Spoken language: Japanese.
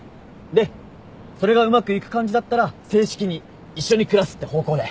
でそれがうまくいく感じだったら正式に一緒に暮らすって方向で。